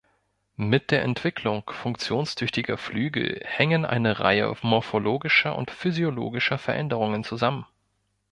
Mit der Entwicklung funktionstüchtiger Flügel hängen eine Reihe morphologischer und physiologischer Veränderungen zusammen.